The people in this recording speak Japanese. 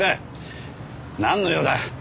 なんの用だ？